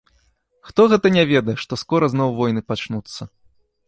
Хто гэта не ведае, што скора зноў войны пачнуцца!